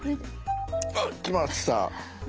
あっ来ました！